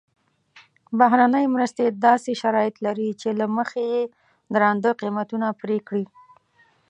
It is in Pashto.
بهرنۍ مرستې داسې شرایط لري چې له مخې یې درانده قیمتونه پرې کړي.